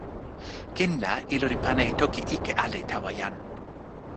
kin la, ilo li pana e toki ike ale tawa jan.